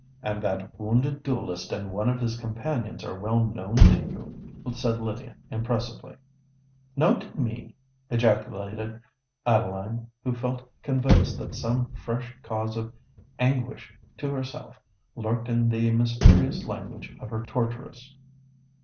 "And that wounded duellist and one of his companions are well known to you," said Lydia, impressively. "Known to me!" ejaculated Adeline, who felt convinced that some fresh cause of anguish to herself lurked in the mysterious language of her torturess.